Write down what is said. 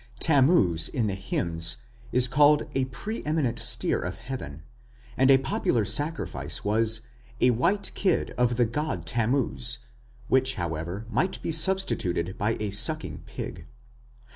Tammuz in the hymns is called "the pre eminent steer of heaven", and a popular sacrifice was "a white kid of the god Tammuz", which, however, might be substituted by a sucking pig.